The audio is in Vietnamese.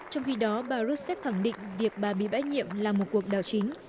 trong khi đó bà russev khẳng định việc bà bị bãi nhiệm là một cuộc đảo chính